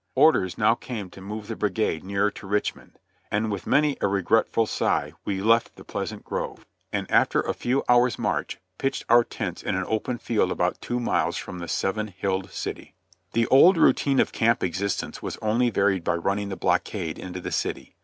Orders now came to move the brigade nearer to Richmond, and with many a regretful sigh we left the pleasant grove, and 124 JOHNNY REB AND BILLY YANK after a few hours' march, pitched our tents in an open field about two miles from the "Seven hilled" city. The old routine of camp existence was only varied by running the blockade into the city.